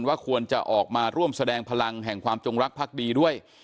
ว่าควรจะออกมาร่วมแสดงพลังแห่งความจงรักภักดีด้วย